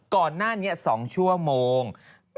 ก่อนหน้านี้๒ชั่วโมง